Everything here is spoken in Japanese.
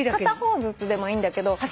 片方ずつでもいいんだけど。